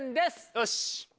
よし。